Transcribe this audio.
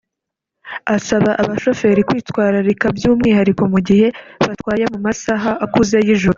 asaba abashoferi kwitwararika by’umwihariko mu gihe batwaye mu masaha akuze y’ijoro